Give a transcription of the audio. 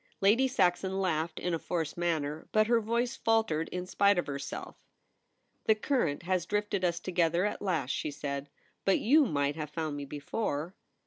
Lady Saxon laughed in a forced manner, but her voice faltered in spite of herself * The current has drifted us together at last,' she said ;' but you might have found me before.'